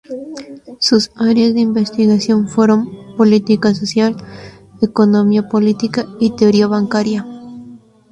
Sus áreas de investigación fueron: Política Social; Economía Política; y Teoría Bancaria.